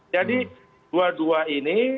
jadi dua dua ini